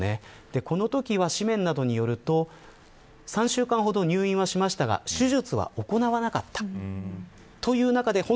このときの紙面によると３週間ほど入院しましたが手術は行わなかったそうです。